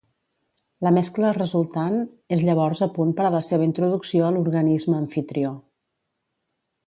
La mescla resultant és llavors a punt per a la seva introducció a l'organisme amfitrió.